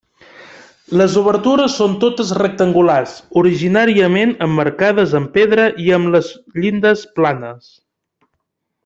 Les obertures són totes rectangulars, originàriament emmarcades en pedra i amb les llindes planes.